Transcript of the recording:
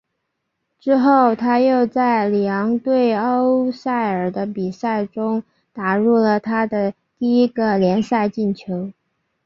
之后他又在里昂对欧塞尔的比赛中打入了他的第一个联赛进球。